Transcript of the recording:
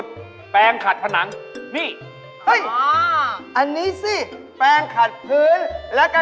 โถ่โถ่โถ่โถ่โถ่โถ่โถ่โถ่โถ่โถ่โถ่โถ่โถ่